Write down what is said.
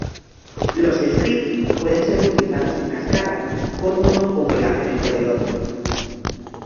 Los scripts pueden ser utilizados en cascada, con uno como el argumento de otro.